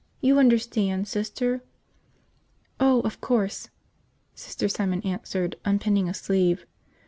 You understand, Sister?" "Oh, of course," Sister Simon answered, unpinning a sleeve.